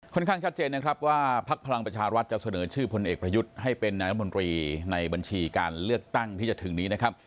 ข้างชัดเจนนะครับว่าพักพลังประชารัฐจะเสนอชื่อพลเอกประยุทธ์ให้เป็นนายรัฐมนตรีในบัญชีการเลือกตั้งที่จะถึงนี้นะครับ